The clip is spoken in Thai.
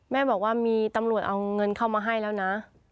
แม่บอกว่ามีตำรวจเอาเงินเข้ามาให้แล้วนะ